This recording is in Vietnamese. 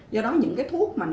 do đó những thuốc